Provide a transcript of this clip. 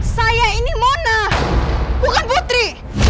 saya ini mona bukan putri